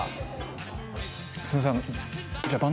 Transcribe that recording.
すいません。